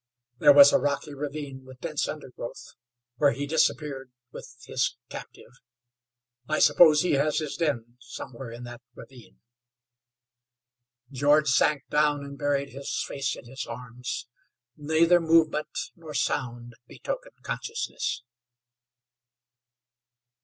There was a rocky ravine with dense undergrowth where he disappeared with his captive. I suppose he has his den somewhere in that ravine." George sank down and buried his face in his arms; neither movement nor sound betokened consciousness.